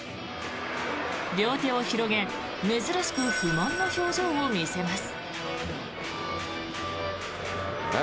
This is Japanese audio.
両手を広げ珍しく不満の表情を見せます。